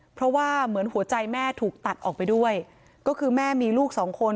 เพราะว่าเหมือนหัวใจแม่ถูกตัดออกไปด้วยก็คือแม่มีลูกสองคน